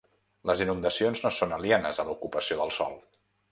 Les inundacions no són alienes a l'ocupació del sòl.